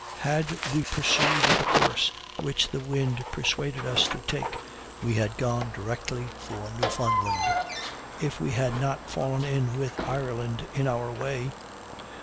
Had we pursued the course which the wind persuaded us to take we had gone directly for Newfoundland, if we had not fallen in with Ireland in our way.